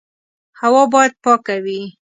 هوا باید پاکه وي.